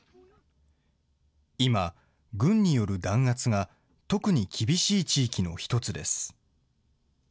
今、軍による弾圧が特に厳しい地域の一つです。